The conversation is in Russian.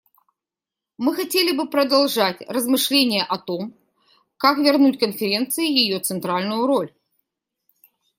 Мы хотели бы продолжать размышления о том, как вернуть Конференции ее центральную роль.